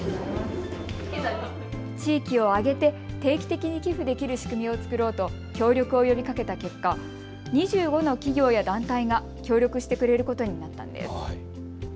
地域を挙げて定期的に寄付できる仕組みを作ろうと協力を呼びかけた結果、２５の企業や団体が協力してくれることになったんです。